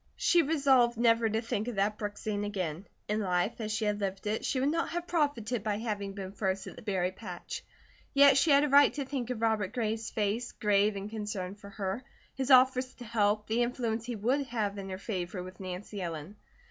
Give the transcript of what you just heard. She resolved never to think of that brook scene again. In life, as she had lived it, she would not have profited by having been first at the berry patch. Yet she had a right to think of Robert Gray's face, grave in concern for her, his offers to help, the influence he would have in her favour with Nancy Ellen.